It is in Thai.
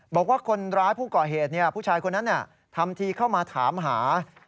บอกว่าคนร้ายผู้ก่อเหตุผู้ชายคนนั้นทำทีเข้ามาถามหา